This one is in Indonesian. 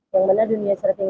yang mana dunia surfing